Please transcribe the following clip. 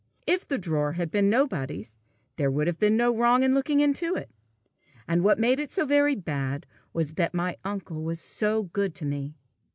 If the drawer had been nobody's, there would have been no wrong in looking into it! And what made it so very bad was that my uncle was so good to me!